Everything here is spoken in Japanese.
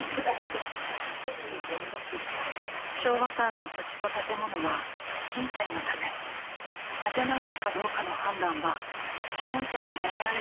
昭和館の土地と建物は賃貸のため建て直すかどうかの判断は地権者に委ねられていました。